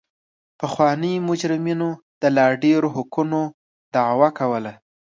پخوانیو مجرمینو د لا ډېرو حقونو دعوه کوله.